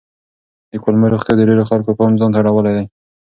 د کولمو روغتیا د ډېرو خلکو پام ځان ته اړولی دی.